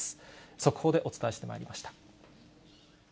速報でお伝えしてまいりました。